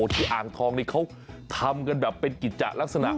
ที่อ่านทองเขาทำกันแบบเป็นกิจจักรลักษณะ